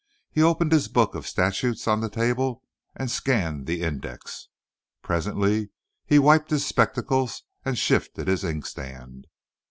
He opened his book of statutes on the table and scanned the index. Presently he wiped his spectacles and shifted his inkstand.